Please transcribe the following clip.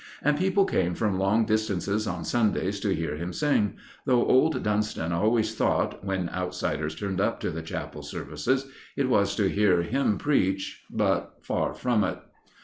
And people came from long distances on Sundays to hear him sing, though old Dunston always thought, when outsiders turned up to the chapel services, it was to hear him preach. But far from it.